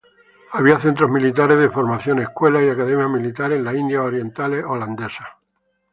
Había centros militares de formación, escuelas y academias militares en las Indias Orientales Holandesas.